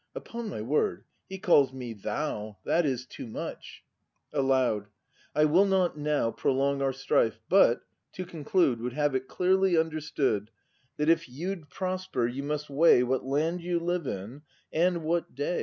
] Upon my word he calls me "Thou"; That is too much! — [Aloud.] I will not now Prolong our strife, but, to conclude, Would have it clearly understood, That if you'd prosper, you must weigh What land you live in, and what day.